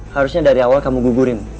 harusnya dari awal kamu gugurin